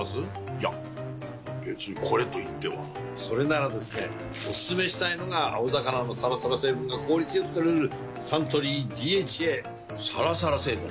いや別にこれといってはそれならですねおすすめしたいのが青魚のサラサラ成分が効率良く摂れるサントリー「ＤＨＡ」サラサラ成分？